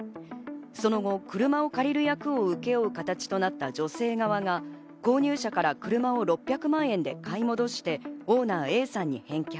その後、車を借りる役を請け負う形となった女性側が購入者から車を６００万円で買い戻して、オーナーＡさんに返却。